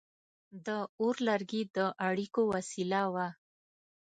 • د اور لوګي د اړیکو وسیله وه.